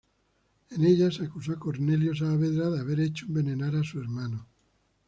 En ellas acusó a Cornelio Saavedra de haber hecho envenenar a su hermano.